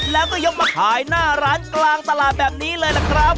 แล้วก็ยกมาขายหน้าร้านกลางตลาดแบบนี้เลยล่ะครับ